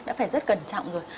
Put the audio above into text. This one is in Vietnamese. đã phải rất cẩn trọng rồi